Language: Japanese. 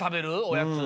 おやつ。